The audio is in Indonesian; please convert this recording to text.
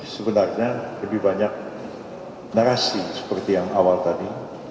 sebenarnya lebih banyak narasi seperti yang awal tadi